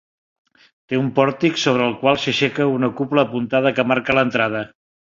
Té un pòrtic sobre el qual s'aixeca una cúpula apuntada que marca l'entrada.